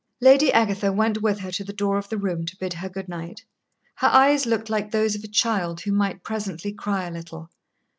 Lady Agatha went with her to the door of the room to bid her good night. Her eyes looked like those of a child who might presently cry a little.